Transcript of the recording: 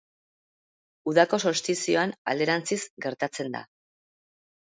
Udako solstizioan alderantziz gertatzen da.